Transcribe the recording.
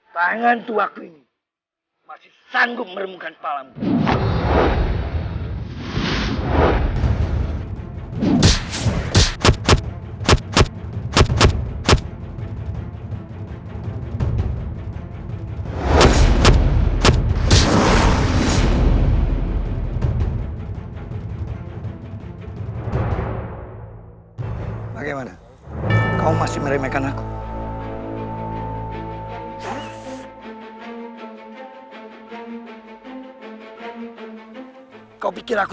tangan tuaku ini masih sanggup meremungkan kepalamu